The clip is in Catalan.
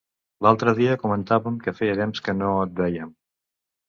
L'altre dia comentàvem que feia temps que no et vèiem.